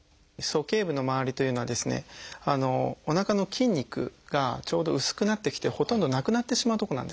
鼠径部のまわりというのはですねおなかの筋肉がちょうど薄くなってきてほとんどなくなってしまうとこなんですね。